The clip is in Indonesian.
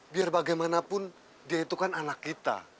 biar bagaimanapun dia itu kan anak kita